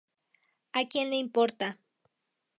A quien le importa.